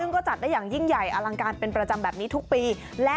ก็จัดได้อย่างยิ่งใหญ่อลังการเป็นประจำแบบนี้ทุกปี